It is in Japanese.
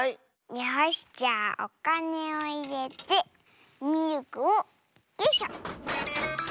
よしじゃあおかねをいれてミルクをよいしょ！